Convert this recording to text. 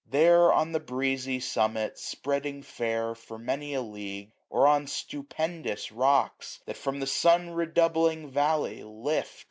There on the breezy summit, spreading fair, 765 For many a league ; or on stupendous rocks. That from the sun redoubling valley lift.